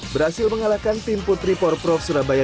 berhasil mengalahkan tim putri por prof surabaya